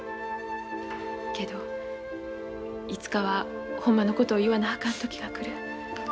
けどいつかはほんまのことを言わなあかん時が来る。